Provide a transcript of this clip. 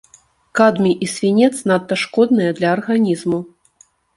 Кадмій і свінец надта шкодныя для арганізму.